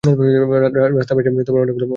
রাস্তার পাসেই অনেকগুলো ম্যাচ আছে।